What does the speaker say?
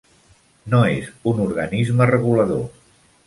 No és un organisme regulador.